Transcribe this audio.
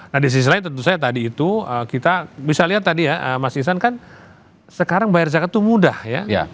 nah di sisi lain tentu saja tadi itu kita bisa lihat tadi ya mas isan kan sekarang bayar zakat itu mudah ya